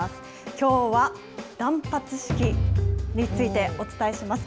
きょうは、断髪式についてお伝えします。